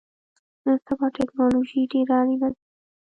نن سبا ټکنالوژی ډیره اړینه ده